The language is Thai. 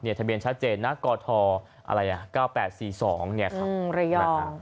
ในทะเบียนชัดเจนณกท๙๘๔๒เนี่ยครับ